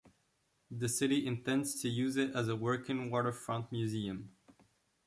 The city intends to use it as a working waterfront museum.